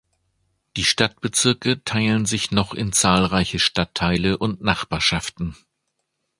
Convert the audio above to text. Die Stadtbezirke teilen sich noch in zahlreiche Stadtteile und Nachbarschaften.